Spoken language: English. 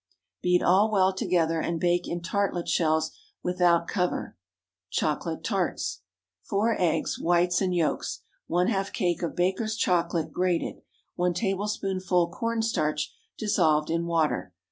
Beat all well together, and bake in tartlet shells without cover. CHOCOLATE TARTS. ✠ 4 eggs, whites and yolks. ½ cake of Baker's chocolate, grated. 1 tablespoonful corn starch dissolved in water.